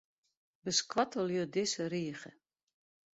Beskoattelje dizze rige.